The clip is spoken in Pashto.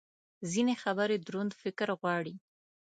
ځینې خبرې دروند فکر غواړي.